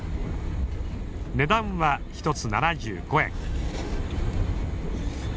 値段は１つ７５円。